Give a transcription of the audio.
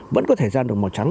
vẫn có thể ra được màu trắng